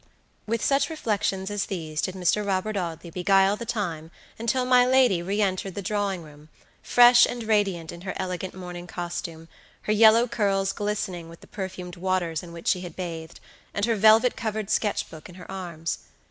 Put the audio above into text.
With such reflections as these did Mr. Robert Audley beguile the time until my lady re entered the drawing room, fresh and radiant in her elegant morning costume, her yellow curls glistening with the perfumed waters in which she had bathed, and her velvet covered sketch book in her arms.